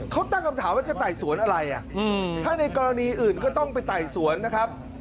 เขาตั้งคำถามว่าจะไต่สวนอะไรถ้าในกรณีอื่นก็ต้องไปไต่สวนนะครับ